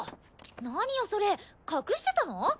何よそれ隠してたの？